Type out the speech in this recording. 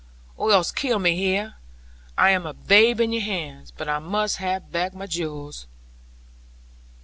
Or else kill me here; I am a babe in your hands; but I must have back my jewels.'